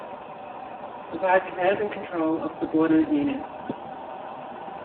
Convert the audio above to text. Provide command and control of subordinate units.